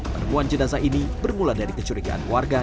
penemuan jenazah ini bermula dari kecurigaan warga